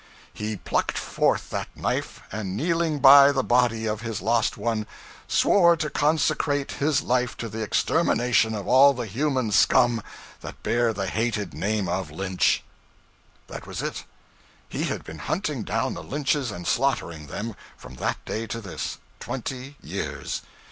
He plucked forth that knife, and kneeling by the body of his lost one, swore to 'consecrate his life to the extermination of all the human scum that bear the hated name of Lynch.' That was it. He had been hunting down the Lynches and slaughtering them, from that day to this twenty years.